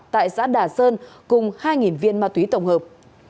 tại xã đà sơn cùng hai viên ma túy tổng hợp